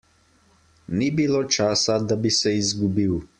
Ni bilo časa, da bi se izgubil.